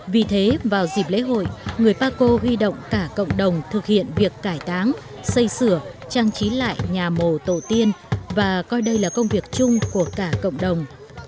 vì thế vào dịp lễ hội người paco huy động cả cộng đồng thực hiện việc cải táng xây sửa trang trí lại nhà mồ tổ tiên và coi đây là công việc chung của cả cộng đồng